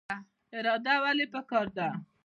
اراده ولې پکار ده؟